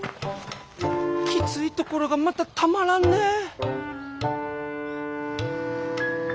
きついところがまたたまらんねぇ。